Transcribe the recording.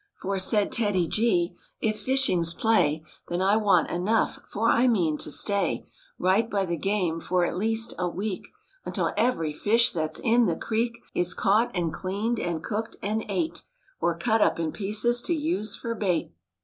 For said TEDDY G, " If fishing's play Then I want enough, for I mean to stay S Right by the game for at least a week // Until every fish that's in the creek Sy Is caught and cleaned and cooked and ate // Or cut up in pieces to use for bait."